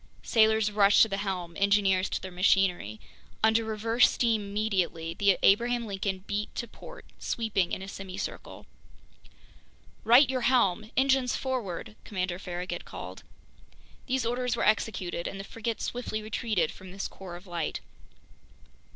Sailors rushed to the helm, engineers to their machinery. Under reverse steam immediately, the Abraham Lincoln beat to port, sweeping in a semicircle. "Right your helm! Engines forward!" Commander Farragut called. These orders were executed, and the frigate swiftly retreated from this core of light.